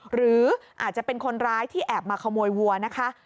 หรืออาจจะเป็นคนร้ายที่แอบมาขโมยวัวนะคะ